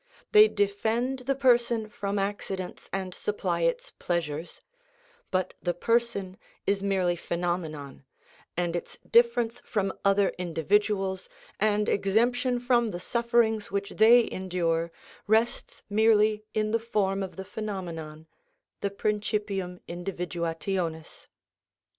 They defend the person from accidents and supply its pleasures; but the person is merely phenomenon, and its difference from other individuals, and exemption from the sufferings which they endure, rests merely in the form of the phenomenon, the principium individuationis.